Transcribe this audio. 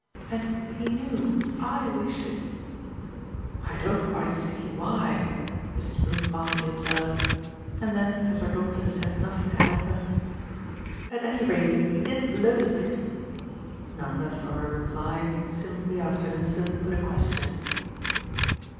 And he knew I wished it." "I don't quite see why," Mrs. Brook mildly observed. And then as her daughter said nothing to help her: "At any rate he did loathe it?" Nanda, for a reply, simply after an instant put a question.